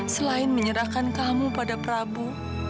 selain menyerahkan kamu pada prabu